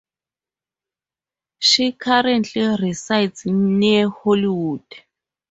She currently resides near Hollywood.